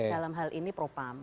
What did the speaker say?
dalam hal ini propam